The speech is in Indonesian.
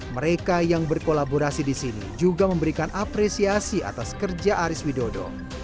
mereka yang berkolaborasi di sini juga memberikan apresiasi atas kerja aris widodo